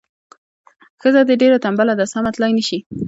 ښځه دې ډیره تنبله ده سمه تلای نه شي.